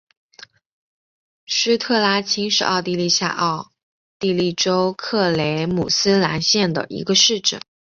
施特拉青是奥地利下奥地利州克雷姆斯兰县的一个市镇。